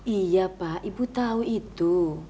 iya pak ibu tahu itu